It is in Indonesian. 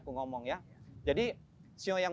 aku ngomong ya jadi sio yang